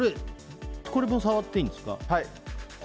これ、触っていいんですか。